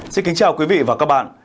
xin kính chào quý vị và các bạn